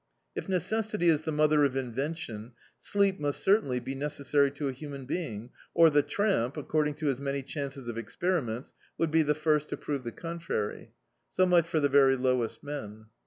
If necessity is the mother of in vention, sleep must certainly be necessary to a hu man being, or the tramp, according to his many chances of experiments, would be the first to prove the contrary. So much for the very lowest men.